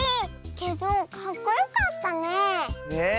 けどかっこよかったねえ。ね。